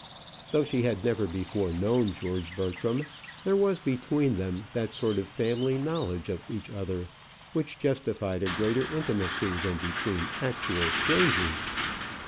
Though she had never before known George Bertram, there was between them that sort of family knowledge of each other which justified a greater intimacy than between actual strangers.